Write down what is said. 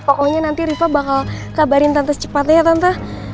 pokoknya nanti riva bakal kabarin tanta secepatnya ya tante